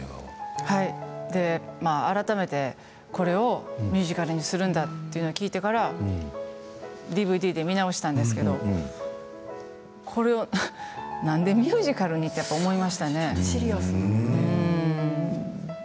はい、改めてこれをミュージカルにすると聞いてからＤＶＤで見直したんですけれどこれをなんでミュージカルに？って思いましたよね。